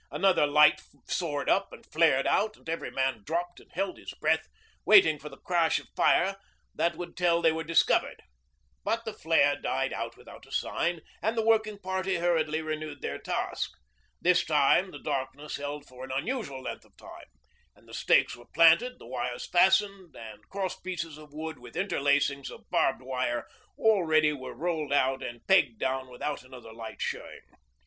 Another light soared up and flared out, and every man dropped and held his breath, waiting for the crash of fire that would tell they were discovered. But the flare died out without a sign, and the working party hurriedly renewed their task. This time the darkness held for an unusual length of time, and the stakes were planted, the wires fastened, and cross pieces of wood with interlacings of barbed wire all ready were rolled out and pegged down without another light showing.